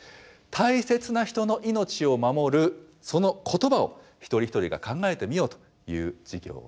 大切な人の命を守るその言葉を一人一人が考えてみようという授業です。